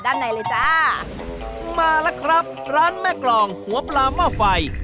ด้านในเลยจ้ามาแล้วครับร้านแม่กรองหัวปลาหม้อไฟ